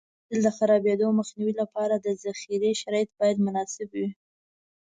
د حاصل د خرابېدو مخنیوي لپاره د ذخیرې شرایط باید مناسب وي.